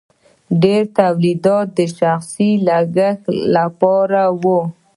ډیر تولیدات د شخصي لګښت لپاره وو.